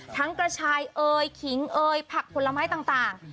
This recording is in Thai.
ทั้งกระชายเอ๋ยขิงเอ๋ยผักพุนละไม้ต่าง